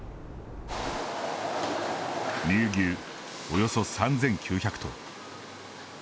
乳牛、およそ３９００頭。